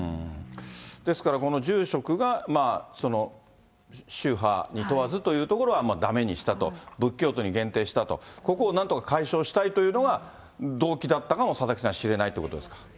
ですからこの住職が宗派に問わずというところはだめにしたと、仏教徒に限定したと、ここをなんとか解消したいというのが動機だったかも、佐々木さん、しれないってことですか。